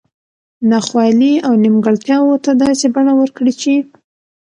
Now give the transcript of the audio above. نا خوالي او نیمګړتیاوو ته داسي بڼه ورکړي چې